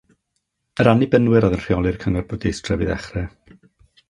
Yr annibynwyr oedd yn rheoli'r cyngor bwrdeistref i ddechrau.